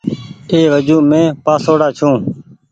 اي وجون مين پآسوڙآ ڇو۔